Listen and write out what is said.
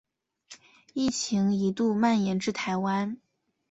疫情一度蔓延至台湾。